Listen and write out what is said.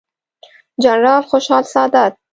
جنرال خوشحال سادات،